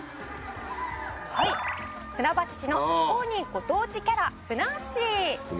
「はい船橋市の非公認ご当地キャラふなっしー」